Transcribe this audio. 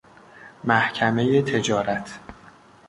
محکمۀ تجارت